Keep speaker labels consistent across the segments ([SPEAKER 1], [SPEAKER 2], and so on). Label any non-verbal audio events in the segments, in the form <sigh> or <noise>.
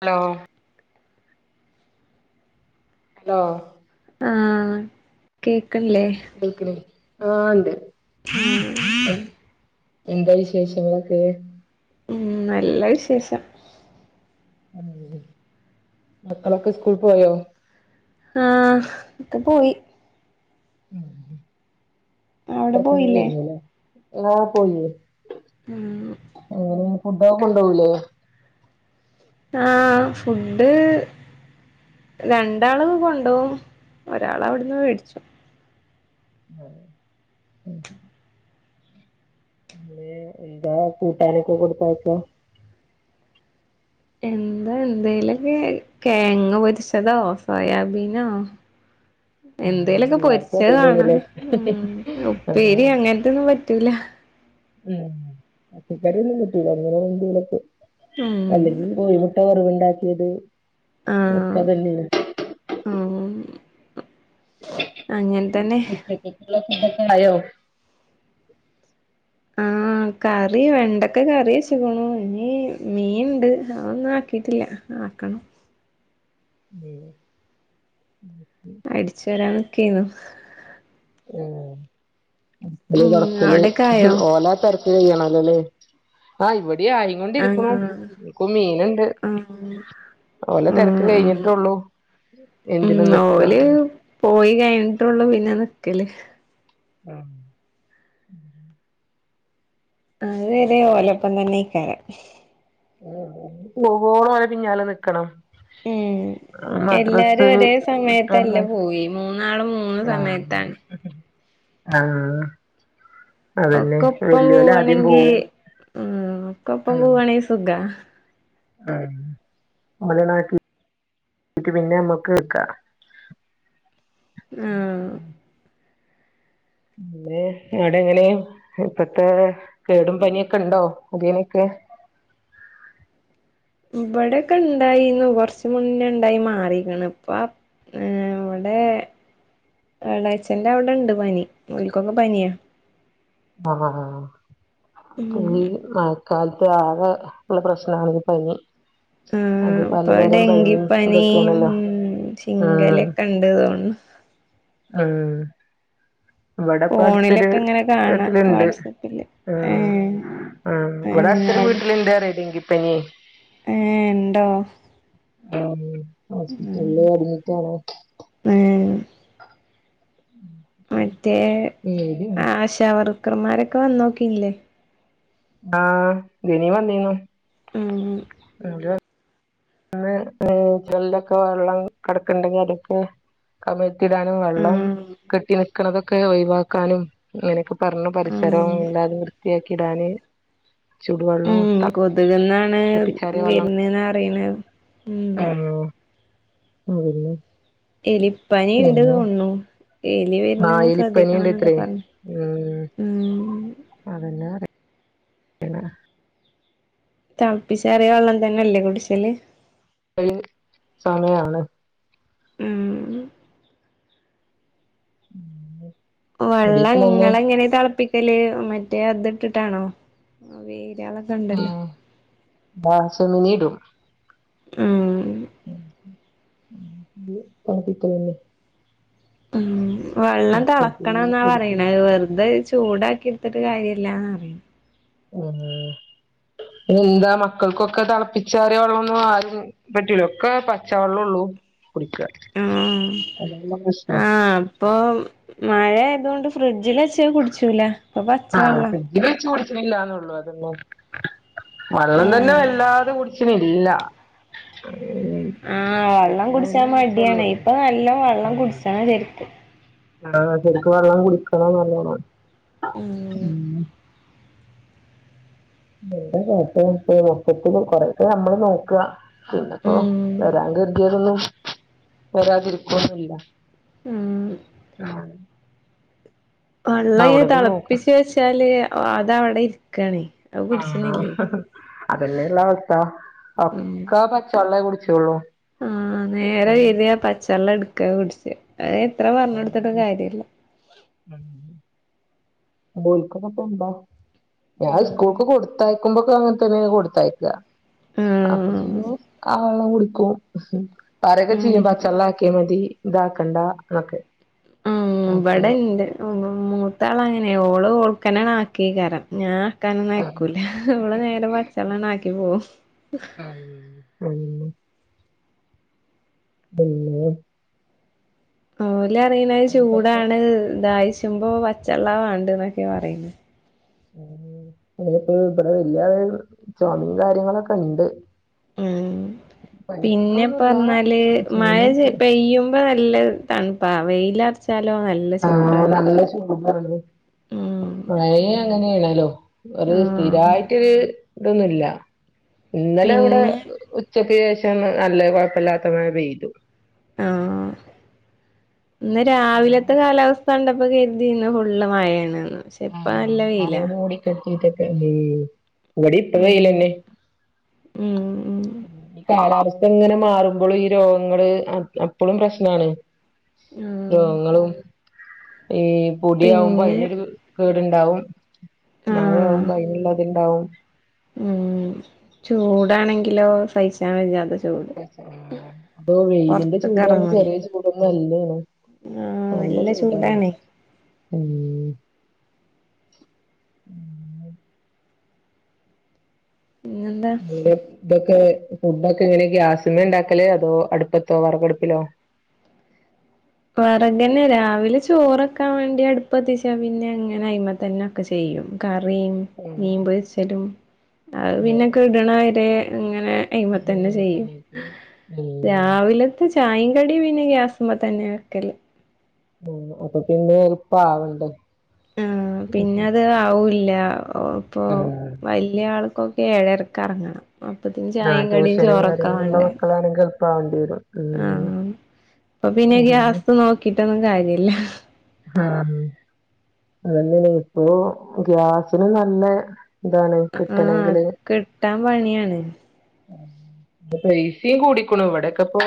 [SPEAKER 1] Hello hello
[SPEAKER 2] ആ കേക്ക്
[SPEAKER 1] കേൾക്കണ ആ ഇണ്ട് എന്താ വിശേഷങ്ങളൊക്കെ
[SPEAKER 2] ഉം നല്ല വിശേഷം
[SPEAKER 1] ഉം മക്കളൊക്കെ സ്കൂൾ പോയോ
[SPEAKER 2] ആ ഒക്കെ പോയി
[SPEAKER 1] മ്
[SPEAKER 2] അവിടെ പോയില്ലേ
[SPEAKER 1] അത്രക്കൊന്നുവില്ല അല്ലേ പോയില്ലേ
[SPEAKER 2] ഉം
[SPEAKER 1] എങ്ങനെ ഫുഡഡൊക്കെ കൊണ്ടുപോയില്ലേ
[SPEAKER 2] ആ ഫുഡ് രണ്ടാള് കൊണ്ടോവും ഒരാൾ അവിടുന്ന് വേടിച്ചു
[SPEAKER 1] <unintelligible> <unintelligible>
[SPEAKER 2] എന്താ എന്തേലൊക്കെ തേങ്ങ പൊരിച്ചതോ സോയാബീനോ എന്തേലൊക്കെ പൊരിച്ചത് കാണാ
[SPEAKER 1] <inaudible>
[SPEAKER 2] ഉം ഉപ്പേരി അങ്ങനത്തൊന്നും പറ്റൂല
[SPEAKER 1] <unintelligible> <unintelligible>
[SPEAKER 2] ഉം
[SPEAKER 1] അല്ലെങ്കി കോയിമുട്ട വറവ്ണ്ടാക്കിയത്
[SPEAKER 2] ആഹ്
[SPEAKER 1] <unintelligible>
[SPEAKER 2] ഉം അങ്ങനെ തന്നെ
[SPEAKER 1] ഉച്ചകത്തേക്കുള്ള ഫുടൊക്കെ ആയോ
[SPEAKER 2] ആ ആ കറി വെണ്ടക്കെ കറി വെച്ചക്കണു ഇനി മീൻണ്ട് അതൊന്നും ആക്കിട്ടില്ല ആക്കണം
[SPEAKER 1] <unintelligible>
[SPEAKER 2] അടിച്ചു വരാനിക്കെനു
[SPEAKER 1] ഉം അടച്ചൽ
[SPEAKER 2] ഉം
[SPEAKER 1] തോടക്കൽ
[SPEAKER 2] അവിടൊക്കെ ആയോ
[SPEAKER 1] ഓല തേര് ചെയ്യണല്ലോല്ലേ ആ ഇ ഇ ആയി
[SPEAKER 2] ആഹ്
[SPEAKER 1] കൊണ്ടിരിക്കുണു ഇക്കൊ മീൻണ്ട്
[SPEAKER 2] ആഹ്
[SPEAKER 1] ഓലെ തിരക്ക്
[SPEAKER 2] ആഹ് ആഹ്
[SPEAKER 1] കഴിഞ്ഞിട്ടുള്ളു
[SPEAKER 2] ഉം
[SPEAKER 1] എന്തിനുംനിക്ക
[SPEAKER 2] ഓല് പോയി കഴിഞ്ഞിട്ടുള്ളൂ പിന്നെ നിക്കല്
[SPEAKER 1] <unintelligible>
[SPEAKER 2] അദേരേ ഓലപ്പംന്നെക്കരാം
[SPEAKER 1] ഉ പോവോളം ഓലെപിന്നാലെ നിക്കണം
[SPEAKER 2] ഉം എല്ലാരും
[SPEAKER 1] മദ്രാസ്
[SPEAKER 2] ഒരേ
[SPEAKER 1] ഇട്ടന്ന
[SPEAKER 2] സമയത്തല്ല പോയി മൂന്നാളും മൂന്ന് സമയത്താണ്
[SPEAKER 1] <unintelligible> ആ അതന്നെ
[SPEAKER 2] ഒക്കെ ഒപ്പം
[SPEAKER 1] വല്ല്യോല് ആദ്യം പോവും
[SPEAKER 2] കപ്പം പൂവണി സുഗ്ഗ
[SPEAKER 1] ആ <unintelligible> പിന്നെ നമ്മക്ക് ക്ക
[SPEAKER 2] ആ
[SPEAKER 1] അവടെങ്ങനെ ഇപ്പത്തെ കേടും പനിയൊക്കെണ്ടോ <unintelligible> നൊക്കെ <unintelligible>
[SPEAKER 2] ഇവിടെക്കെ ഉണ്ടായിന്നു കുറച്ചമുന്നേ ണ്ടായി മാറീക്ക്ണ് ഇപ്പ- ഏ വടെ എളേച്ചന്റെ അവടെണ്ട് പനി മക്കൊക്ക പനിയാ
[SPEAKER 1] ആഹ്
[SPEAKER 2] ഉം
[SPEAKER 1] <unintelligible> കാലത്ത് ആകെ ഉള്ള പ്രശ്നണ പനി
[SPEAKER 2] ഉം
[SPEAKER 1] അത്
[SPEAKER 2] ഉം ഇപ്പൊ
[SPEAKER 1] പലതരം പനി
[SPEAKER 2] ഡെങ്കിപ്പനി
[SPEAKER 1] ഇതൊക്കെയാണല്ലോ
[SPEAKER 2] ഉ
[SPEAKER 1] ഉം
[SPEAKER 2] ചിങ്കലൊക്കെ ഉണ്ട്തോന്നു
[SPEAKER 1] ഉം വടപ്പട്ത്തൊരു
[SPEAKER 2] ഫോണിലൊക്കെ ഇങ്ങനെ കാണാ
[SPEAKER 1] വ്ട്ട്ല്ണ്ട്
[SPEAKER 2] വാട്സപ്പില് ഏഹ് ഏഹ്
[SPEAKER 1] ഒരു വീട്ടിലിന്താങ്കിപ്പനി
[SPEAKER 2] ഏ ഇണ്ടോ
[SPEAKER 1] ആ ഹോസ്പിറ്റലില് അഡ്മിറ്റാണ്
[SPEAKER 2] ഏഹ് മറ്റേ
[SPEAKER 1] പേടിയാണ്
[SPEAKER 2] ആശവർക്കർമാരൊക്കെ വന്നോക്കീല്ലേ
[SPEAKER 1] ആ <unintelligible> വന്നീന്നു
[SPEAKER 2] ഉം
[SPEAKER 1] <unintelligible> അന്ന് <inaudible> ടാനും വെള്ളം
[SPEAKER 2] ആഹ്
[SPEAKER 1] കെട്ടി നക്കണതൊക്കെ ഒഴിവാക്കാനും ങ്ങനെ പറഞ്ഞു പരിസരം
[SPEAKER 2] ആഹ്
[SPEAKER 1] ഇല്ലാതെ വൃത്തിയാക്കിടാന് ചൂടുവെള്ളം ത
[SPEAKER 2] ന്നെ വരുന്നേന്നാ അറിയണ ഉം
[SPEAKER 1] അതെല്ലെ
[SPEAKER 2] എലിപ്പനി ഉണ്ട് തോന്നുന്നു എലി
[SPEAKER 1] ആഹ്
[SPEAKER 2] വരുന്നതും
[SPEAKER 1] എലിപ്പനി
[SPEAKER 2] ശ്രദ്ധിക്കണം എന്നൊക്കെ
[SPEAKER 1] ഉണ്ടത്രേ
[SPEAKER 2] പറഞ്ഞു ഉം
[SPEAKER 1] അതല്ലാതെ എന്താ
[SPEAKER 2] തെളപ്പിച്ചാറിയ വെള്ളം തന്നല്ലേ കുടിശല്
[SPEAKER 1] പ്പഴ് സമയാണ്
[SPEAKER 2] ഉം
[SPEAKER 1] <unintelligible> ഇവിടിപ്പ
[SPEAKER 2] വെള്ളം
[SPEAKER 1] തന്നെ
[SPEAKER 2] ഇങ്ങൾ എങ്ങനാ തെളപ്പിക്കല് മറ്റേ അത് ഇട്ടിട്ടാണോ ആ വേ
[SPEAKER 1] ഉം ബാസ <unintelligible> ഇടും
[SPEAKER 2] ഉം
[SPEAKER 1] തെളപ്പിക്കല് അല്ലേ
[SPEAKER 2] ഉം വെള്ളം തെളക്കണം എന്നാ
[SPEAKER 1] കൊടുക്കും
[SPEAKER 2] പറയുന്നെ വെറുതെ ചൂടാക്കി എടുത്തിട്ട് കാര്യമില്ലാന്ന് പറയുന്നെ
[SPEAKER 1] ഓ എന്താ മക്കൾക്കൊക്കെ തിളപ്പിച്ചാറിയ വെള്ളോന്നും ആരും പറ്റൂല ഒക്കെ പച്ച വെള്ളോള്ളൂ
[SPEAKER 2] ഉം ആ
[SPEAKER 1] പ്രശ്നം
[SPEAKER 2] അപ്പൊ മഴയായതുകൊണ്ട് ഫ്രിഡ്ജിൽ വെച്ചത് കുടിച്ചൂല്ല
[SPEAKER 1] ആ ഫ്രിഡ്ജിൽ വെച്ച് കുടിക്കുന്നില്ലാന്നേള്ളു അതൊന്നും വെള്ളം തന്നെ
[SPEAKER 2] ആഹ്
[SPEAKER 1] വല്ലാതെ കുടിച്ചുന്നില്ല
[SPEAKER 2] ആഹ് വെള്ളം കുടിച്ചാ
[SPEAKER 1] വെച്ചോള്ളൂ
[SPEAKER 2] മടിയാണ്
[SPEAKER 1] ഉം
[SPEAKER 2] ഇപ്പൊ നല്ല വെള്ളം കുടിച്ചണം ശരിക്കും.
[SPEAKER 1] ആഹ് ശരിക്ക് വെള്ളം കുടിക്കണം നല്ലോണം ഉം. <unintelligible> കൊറേക്കെ നമ്മള് നോക്കുക. പിന്നിപ്പോ
[SPEAKER 2] ഉം
[SPEAKER 1] വരാൻ കരുതിയതൊന്നും വരാതിരിക്കുവോന്നും ഇല്ല.
[SPEAKER 2] ഉം
[SPEAKER 1] ആഹ.
[SPEAKER 2] വെള്ളം ഈ
[SPEAKER 1] നോക്ക
[SPEAKER 2] തെളപ്പിച്ചു വെച്ചാല് അതവിടെ ഇരിക്കാണ്.
[SPEAKER 1] ആഹ് അതന്നെയുള്ള അവസ്ഥ
[SPEAKER 2] ഉം
[SPEAKER 1] ഒക്കെ പച്ചോളേ കുടി
[SPEAKER 2] ആഹ് നേരെ വരുക പച്ചോള്ളം എടുക്ക കുടിച്ച. അത് എത്ര പറഞ്ഞൊടുത്തിട്ടും കാര്യവില്ല.
[SPEAKER 1] ബോയിക്ക <unintelligible> ഞാൻ
[SPEAKER 2] ഉം
[SPEAKER 1] ഇസ്കൂൾക്ക് കൊടുത്തയക്കുമ്പോ ഇപ്പം അങ്ങനെത്തന്നെ കൊടുത്തയയ്ക്കുക അപ്പൊ
[SPEAKER 2] ആഹ്
[SPEAKER 1] പിന്നെ ആ വെള്ളം കുടിക്കും. പറയൊക്കെ ചെയ്യും
[SPEAKER 2] ഉം
[SPEAKER 1] പച്ചള്ളാക്കിയ മതി ഇതാക്കണ്ട എന്നൊക്കെ
[SPEAKER 2] ഉം
[SPEAKER 1] അപ്പൊ
[SPEAKER 2] ഇവിടെ ഇണ്ട് ഉം മൂ ത്താള് അങ്ങനാ ഓള് ഓൾക്കനെ ആക്കീ കരം ഞാൻ തിളക്കാനും ഒന്നും അയ്ക്കൂല ഇവിടെ നേരെ പച്ചോളം തന്നെ ആക്കി പോകും.
[SPEAKER 1] ഉം <unintelligible>
[SPEAKER 2] ഓല് പറയണത് ചൂടാണ് ദാഹിച്ച് ചു വരുമ്പോ പച്ചോള്ളാ വേണ്ടത് എന്നൊക്കെയാ പറയുന്നെ.
[SPEAKER 1] ഉം ഇപ്പോ ഇവിടെ വലിയാളിന് ചൊമയും കാര്യങ്ങളൊക്കെ ഉണ്ട്.
[SPEAKER 2] ഉം. പിന്നെ
[SPEAKER 1] പനിക്കൂണൊന്നുല്ല
[SPEAKER 2] പറഞ്ഞാല് മഴ
[SPEAKER 1] പോകുന്നുണ്ട്
[SPEAKER 2] പെയ്യുമ്പോ നല്ല തണുപ്പാ വെയില് അടിച്ചാലോ നല്ല ചൂടാണ്. ഉം
[SPEAKER 1] മഴ അങ്ങനെയാണല്ലോ ഒരു
[SPEAKER 2] ആഹ്
[SPEAKER 1] സ്ഥിരായിട്ടൊരു. ഇതൊന്നുമില്ല ഇന്നലെ ഇവിടെ
[SPEAKER 2] പിന്നെ
[SPEAKER 1] ഉച്ചക്ക് ശേഷം. ണ് നല്ല കൊഴപ്പമില്ലാത്ത മയ പെയ്തു.
[SPEAKER 2] ആഹ് ഇന്ന് രാവിലത്തെ കാലാവസ് സ്ഥ കണ്ടപ്പൊ കരുതി ഇന്ന് ഫുള്ള് മഴയാണെന്ന് പക്ഷെ ഇപ്പൊ
[SPEAKER 1] ആഹ്
[SPEAKER 2] നല്ല വെയിലാ
[SPEAKER 1] അതൊന്ന് ഉം മൂടിക്കെട്ടീട്ടൊക്കെ ഇവടേം ഇപ്പ വെയില്
[SPEAKER 2] ഉം
[SPEAKER 1] തന്നെ.
[SPEAKER 2] ഉം. ഉം
[SPEAKER 1] എങ്ങനെ മാറുമ്പോളും ഈ രോഗങ്ങള് അ അപ്പളും പ്രശ്ണാണ്.
[SPEAKER 2] ആഹ്
[SPEAKER 1] രോഗങ്ങളും. ഈ പൊടി ആവുമ്പ
[SPEAKER 2] പിന്നെ
[SPEAKER 1] അയിനൊരു കേട്ണ്ടാവും
[SPEAKER 2] ആഹ്
[SPEAKER 1] മഴയാവുമ്പ അയിന്ള്ളത് നുള്ളത്. ഹൗ
[SPEAKER 2] ഉം ചൂടാണെങ്കിലോ സഹിച്ചാൻ വെയ്യ അത്.
[SPEAKER 1] ഇപ്പൊ വെയിലിന്റെ
[SPEAKER 2] പൊറത്ത്ക്ക്
[SPEAKER 1] ചൂട് റഞ്ഞ
[SPEAKER 2] എറങ്ങൂല
[SPEAKER 1] ചെറിയ ചൂടൊന്നും അല്ലെണ്
[SPEAKER 2] ആഹ്
[SPEAKER 1] നല്ല ചൂടാണ്
[SPEAKER 2] ചൂടാണേ
[SPEAKER 1] ഉം.
[SPEAKER 2] പിന്നെന്താ
[SPEAKER 1] ഇവര് ഒറ്റക്ക് <unintelligible> ഫുഡൊക്കെ ഇങ്ങനെ ഗ്യസ്മെ ഇണ്ടാക്കല് അതോ അടുപ്പത്തോ വെറകടുപ്പിലോ
[SPEAKER 2] വെറകെന്നെ രാവിലെ ചോറൊക്കാൻ വേണ്ടി അടുപ്പത്തിച്ചാ പിന്നെ അങ്ങനെ അയിമ തന്നെ ഒക്കെ ചെയ്യും. യും കറീം
[SPEAKER 1] ഉം
[SPEAKER 2] മീൻ പൊരിച്ചലും അഹ്‌ പിന്നെ കെട്ണെ വെരെ ഇങ്ങ വേം അയിമ തന്നെ ചെയ്യും
[SPEAKER 1] ഉം
[SPEAKER 2] രാവിലെത്തെ ചായേം കടി പി പിന്നെ ഗ്യാസ് മെ തെന്നെ വെക്കല്.
[SPEAKER 1] ഉ ഇപ്പപിന്നെ ഇപ്പ ആവണ്ടേ
[SPEAKER 2] ആഹ് പിന്നെ അത് ആവുല്ല ഇപ്പൊ
[SPEAKER 1] ആഹ്
[SPEAKER 2] വലിയ ആൾക്കൊ ഏഴരക്ക് എറങ്ങണം. അപ്പോത്തിന് ചായിം കടിം
[SPEAKER 1] ട്യൂഷനും
[SPEAKER 2] ചോറൊക്കെ
[SPEAKER 1] കാര്യങ്ങളുള്ള
[SPEAKER 2] ആവണ്ടേ
[SPEAKER 1] മക്കളാണെങ്കി എളുപ്പാവേണ്ടി വരും ഉം
[SPEAKER 2] ആഹ്. അപ്പൊ പിന്നെ
[SPEAKER 1] അതന്നെ
[SPEAKER 2] ഗ്യസ് നോക്കിട്ടൊന്നും കാര്യല്ല.
[SPEAKER 1] ആഹ് അത് അതന്നെ ഇപ്പൊ ഗ്യാസിന് നല്ലെ ഇതാണ്
[SPEAKER 2] ആഹ്
[SPEAKER 1] കിട്ടണെങ്കില്
[SPEAKER 2] കിട്ടാൻ പണിയാണ്
[SPEAKER 1] ഇപ്പൊ പൈസിയും കൂടിക്ക്ണു ഇവിടൊക്കെ ഇപ്പൊ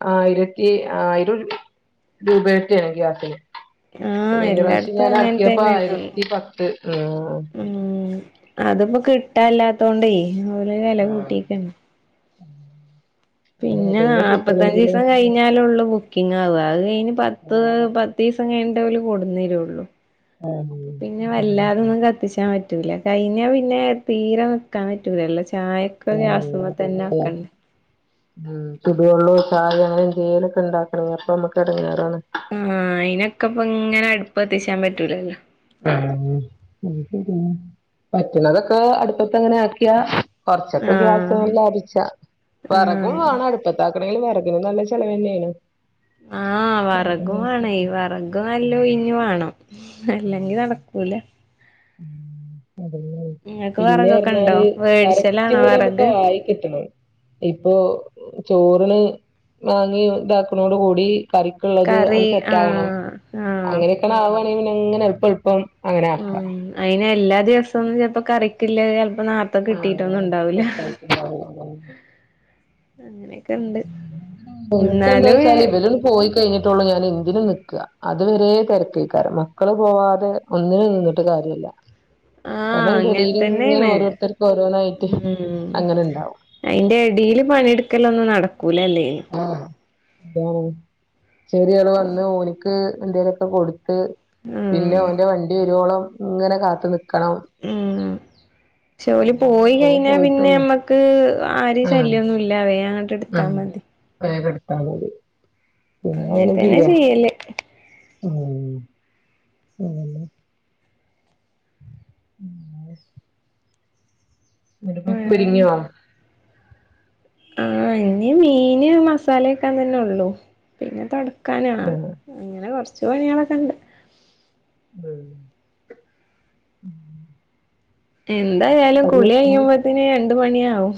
[SPEAKER 1] <unintelligible>
[SPEAKER 2] ആഹ്
[SPEAKER 1] കഴിഞ്ഞപ്രാവശ്യം
[SPEAKER 2] എല്ലാട്ത്തും അങ്ങൻ
[SPEAKER 1] ഞാനാക്കിയപ്പോൾ
[SPEAKER 2] തന്നേണ്
[SPEAKER 1] ആയിരത്തെപ്പതെ ആ....
[SPEAKER 2] ഉം അത്പ്പോ കിട്ടല്ലാത്തോണ്ട് ഓല് വെ ല
[SPEAKER 1] അ
[SPEAKER 2] കൂട്ടിക്കാണ് പിന്നെ
[SPEAKER 1] അതന്നെ കിട്ടണെങ്കില്
[SPEAKER 2] നാപത്തഞ്ചിസം കഴിഞ്ഞാലൊ ള്ളൂ ബുക്കി പിന്നെ അ അവ് കഴിഞ്ഞ് പത്ത് പത്തീസം കഴിഞ്ഞ്ട്ടെ ഓല് കൊടുന്നേര്ള്ളു
[SPEAKER 1] ഉം
[SPEAKER 2] പിന്നെ വല്ലാതൊന്നും കത്തിച്ചാൻ പറ്റ പറ്റൂല കഴിഞ്ഞ പിന്നെ തീരെ നിക്കാൻ പറ്റൂലല്ല ചായക്കെ ഗ്യാസ് മ തന്നെ വെക്കണ്
[SPEAKER 1] ഉം ചുടുവെള്ളം ചായെ അങ്ങനെ എ ന്തെലുക്കെ ഇണ്ടാക്കണ അപ്പൊ നമ്മക്ക് എടങ്ങേറാണ്
[SPEAKER 2] ആ അയിനൊക്കെ ഇപ്പ ഇങ്ങനെ അട് പ്പ് ത്തിച്ചാൻ പറ്റൂലല്ലോ
[SPEAKER 1] <inaudible> പറ്റ്ണതൊക്കെ അട്പ്പത്ത് ങ്ങനെ ആക്കിയാ കൊറച്ചൊക്കെ ഗ്യാസ്
[SPEAKER 2] ആഹ്
[SPEAKER 1] <unintelligible> ലാഭിച്ച വെറകും
[SPEAKER 2] ആഹ്
[SPEAKER 1] വേണം അടുപ്പത്ത അല്ലെങ്കിലും വെറകിന് നല്ല ചിലവന്നെണ്
[SPEAKER 2] ആ വെറകും വേണെ വെറക് നല്ലോ ഒഴിഞ്ഞു വേണം അല്ലെങ്കി നടക്കൂല
[SPEAKER 1] അത്
[SPEAKER 2] ഇങ്ങക്ക്
[SPEAKER 1] പിന്നെ
[SPEAKER 2] വറകൊക്കെ ഇണ്ടോ
[SPEAKER 1] പറഞ്ഞാല് കറകട്
[SPEAKER 2] വേടിച്ചലാണോ
[SPEAKER 1] ഇങ്ങനെ നമുക്ക്
[SPEAKER 2] വറക്
[SPEAKER 1] ആയികിട്ടണം ഇപ്പൊ ചോറില് വാങ്ങി ഇതാക്കുണോട് കൂടി കറിക്ക്ള്ളത് ആണ്
[SPEAKER 2] കറി
[SPEAKER 1] സെറ്റ് ആകണം
[SPEAKER 2] ആഹ് ആഹ്
[SPEAKER 1] അങ്ങനെക്കെണെ ആവ്ണെ എങ്ങനെ എള്പ്പം എൾപ്പം അങ്ങനെ ആക്കാ
[SPEAKER 2] ഉം അയിന് എല്ലാ ദിവസവും ഒന്നും ചിലപ്പോ കറിക്കില്ലെ ചെ
[SPEAKER 1] <inaudible>
[SPEAKER 2] അങ്ങനെയൊക്കെ ഉണ്ട്
[SPEAKER 1] ഇൻക്ക്
[SPEAKER 2] എന്നാലും
[SPEAKER 1] എന്താച്ചാല് ഇവല് ണ് പോയി കി കഴിഞ്ഞിട്ടൊള്ളു ഞാൻ എന്തിന് നിക്ക് അത് വരെ തെരക്കേക്കാരം മക്കള് പോവാതെ ഒന്നിനും നിന്നിട്ട് കാ കാര്യല്ല
[SPEAKER 2] ആഹ്
[SPEAKER 1] കാരണം അയിന്റെ
[SPEAKER 2] അങ്ങനെ
[SPEAKER 1] ഇടെൽ ങ്ങനെ
[SPEAKER 2] തന്നെയാണ്
[SPEAKER 1] ഓരോരുത്തര്
[SPEAKER 2] ഉം അയിന്റെ എടേല് പണിയെടുക്കല ഒന്നും നട കൂലല്ലേ
[SPEAKER 1] <unintelligible> ചെറിയാൾ വന്ന് ഓനിക്ക് എന്തേലൊക്കെ കൊട് പിന്നെ
[SPEAKER 2] ഉം
[SPEAKER 1] അവന്റെ വണ്ടി ഒരുവോളം ഇങ്ങനെ കാത്തു നി
[SPEAKER 2] ഉം
[SPEAKER 1] <inaudible>
[SPEAKER 2] ജോലി
[SPEAKER 1] അങ്ങനെ
[SPEAKER 2] പോയി
[SPEAKER 1] ഓൻ
[SPEAKER 2] കഴിഞ്ഞാ പിന്നെ
[SPEAKER 1] പോയിട്ടുള്ളു
[SPEAKER 2] നമ്മക്ക് ആര്
[SPEAKER 1] ആഹ്
[SPEAKER 2] ശല്യൊന്നും ഇല്ല അവേ <unintelligible> അങ്ങട്ട് എടുത്താ മതി
[SPEAKER 1] വേഗെടുത്താൽ മതി പിന്നെ അങ്ങനെ
[SPEAKER 2] തന്നെ
[SPEAKER 1] ചെയ്യാ
[SPEAKER 2] ചെയ്യല്
[SPEAKER 1] ആ ഉം ഉ <unintelligible> ഇടു പിരിങ്ങുവ <unintelligible>
[SPEAKER 2] ആ ഇന്ന് മീന് മസാല ഒക്കാൻ തന്നെള്ളു പിന്നെന്താ ക്കാനണൾ <unintelligible> അങ്ങനെ കൊറച്ചുപണികളൊക്കെ ഉണ്ട്
[SPEAKER 1] ഉം ഉ <unintelligible>
[SPEAKER 2] എന്തായാലും കുളി കഴിയുമ്പോത്തന് രണ്ടു മണിയാവും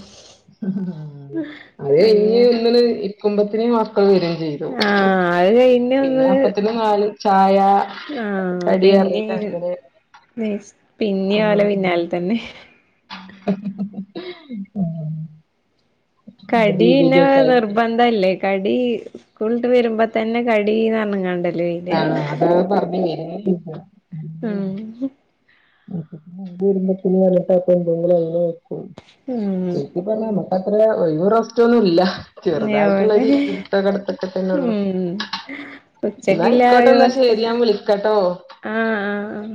[SPEAKER 1] അതെ ഇ
[SPEAKER 2] അങ്ങനെ
[SPEAKER 1] ഒന്നിന ഇക്കുമ്പത്തിനെ മാത്ര <unintelligible> ചെയ്തു
[SPEAKER 2] ആഹ് അത് കഴിഞ്ഞ്
[SPEAKER 1] പിന്നെ
[SPEAKER 2] ഒന്ന്
[SPEAKER 1] അപ്പത്തിന് നാ ചായ പ
[SPEAKER 2] ആഹ്
[SPEAKER 1] കടിറിട്ട് അങ്ങനെ
[SPEAKER 2] പിന്നെ പോലെ പിന്നാല തന്നെ
[SPEAKER 1] ആ
[SPEAKER 2] കടി പിന്നെ നിർബന്ധം അല്ലേ കടി സ്കൂളിട്ട് വരുമ്പോ തന്നെ കടന്ന്ഞ്ഞങ്ങാണ്ട <unintelligible>
[SPEAKER 1] ആ അതാ പറഞ്ഞ കേര <unintelligible>
[SPEAKER 2] ഉം
[SPEAKER 1] ട്ട കൊമ്പും ശി
[SPEAKER 2] ഉം
[SPEAKER 1] പറണമ <unintelligible> അത്ര റെസ്റ്റൊന്നും ഇല്ല ചെറുതായിട്ടുള്ളൊ
[SPEAKER 2] എവടെ
[SPEAKER 1] ഒരു ഇരുത്ത കടത്തൊക്കെ <unintelligible> തന്നെയള്ളു
[SPEAKER 2] ഉം
[SPEAKER 1] എന്നാ
[SPEAKER 2] ഉച്ചക്കില്ല
[SPEAKER 1] ഇക്കോട്ടെ
[SPEAKER 2] ഒരു
[SPEAKER 1] എന്താ
[SPEAKER 2] ഭക്ഷണം
[SPEAKER 1] ശരിയാൻ വിളിക്കട്ടോ
[SPEAKER 2] ആഹ് ആഹ് ആഹ്